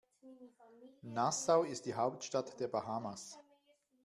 Nassau ist die Hauptstadt der Bahamas.